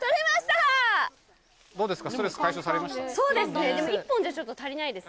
どうですか？